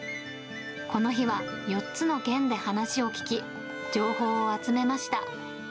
この日は４つの県で話を聞き、情報を集めました。